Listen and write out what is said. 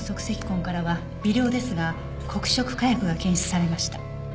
痕からは微量ですが黒色火薬が検出されました。